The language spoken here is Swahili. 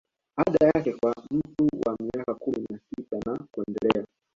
Ada yake kwa mtu wa miaka kumi na sita na kuendelea